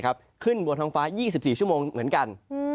ขึ้นบนท้องฟ้า๒๔ชั่วโมงเหมือนกัน